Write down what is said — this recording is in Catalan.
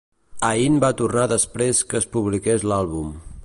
Ain va tornar després que es publiqués l'àlbum.